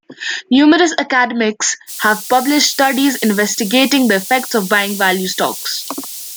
Numerous academics have published studies investigating the effects of buying value stocks.